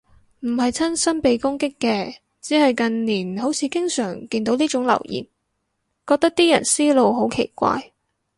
唔係親身被攻擊嘅，只係近年好似經常見到呢種留言，覺得啲人思路好奇怪